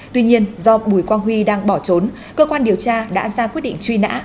tuy nhiên do bùi quang huy đang bỏ trốn cơ quan điều tra đã ra quyết định truy nã